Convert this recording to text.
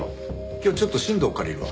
今日ちょっと新藤借りるわ。